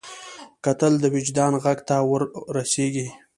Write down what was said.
کتل د وجدان غږ ته ور رسېږي